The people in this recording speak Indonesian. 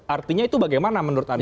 artinya itu bagaimana menurut anda